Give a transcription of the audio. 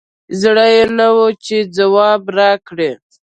زړه یي نه وو چې ځواب راکړي